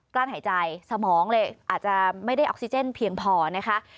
ล้านหายใจสมองเลยอาจจะไม่ได้ออกซิเจนเพียงพอนะคะ